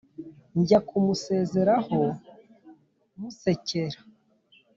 njya kumusezeraho musekera,